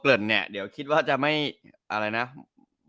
เราไม่ต้องเกิดอะไรทั้งสิ้นสำหรับผู้ชายที่โดนเราสองคนพูดถึงบ่อย